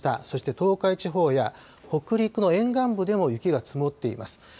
そして東海地方や北陸の沿岸部でも雪が積もっています。